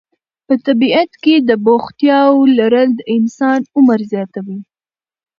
په طبیعت کې د بوختیاوو لرل د انسان عمر زیاتوي.